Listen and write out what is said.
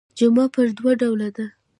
جمعه پر دوه ډوله ده.